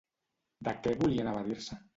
De què volien evadir-se?